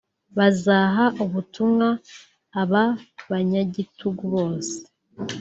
Bazaha ubutumwa aba banyagitugu bose